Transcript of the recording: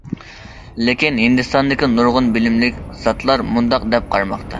لېكىن ھىندىستاندىكى نۇرغۇن بىلىملىك زاتلار مۇنداق دەپ قارىماقتا.